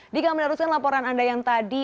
dika meneruskan laporan anda yang tadi